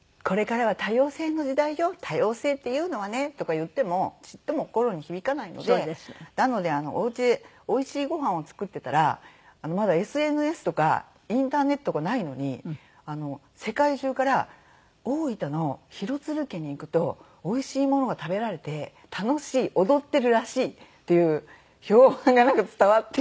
「多様性っていうのはね」とか言ってもちっとも心に響かないのでなのでおうちでおいしいごはんを作ってたらまだＳＮＳとかインターネットがないのに世界中から「大分の廣津留家に行くとおいしいものが食べられて楽しい踊ってるらしい」っていう評判がなんか伝わって。